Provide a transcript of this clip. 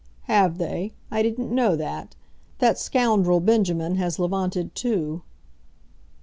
"Have they? I didn't know that. That scoundrel Benjamin has levanted too."